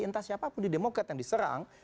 entah siapapun di demokrat yang diserang